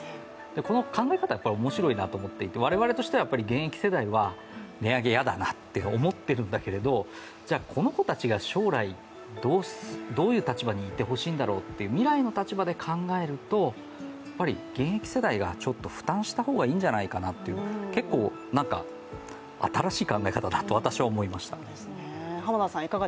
この考え方、面白いなと思っていて我々現役世代は値上げ嫌だなと思っているんだけれどもこの子たちが将来どういう立場にいてほしいんだろうという未来の立場で考えると、現役世代がちょっと負担した方がいいんじゃないかなというなんか新しい考え方だなと私は思いました。